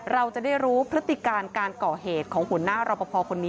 เราจะได้รู้พฤติการการก่อเหตุของหัวหน้ารอปภคนนี้